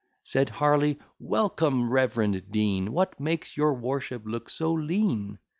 Said Harley, "Welcome, rev'rend dean! What makes your worship look so lean?